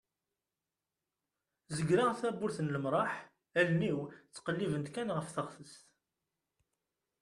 zegreɣ tawwurt n lemraḥ allen-iw ttqellibent kan ɣef teɣtest